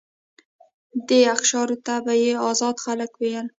دې اقشارو ته به یې آزاد خلک ویل.